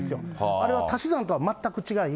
あれは足し算とは全く違い、